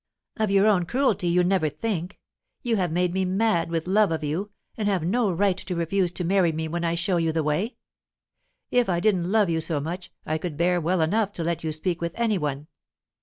"Of your own cruelty you never think. You have made me mad with love of you, and have no right to refuse to marry me when I show you the way. If I didn't love you so much, I could bear well enough to let you speak with any one.